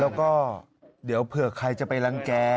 แล้วก็เดี๋ยวเผื่อใครจะไปรังแก่